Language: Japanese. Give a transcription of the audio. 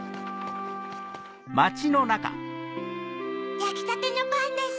やきたてのパンです。